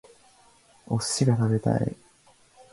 お寿司が食べたい